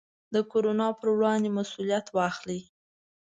د کورونا پر وړاندې مسوولیت واخلئ.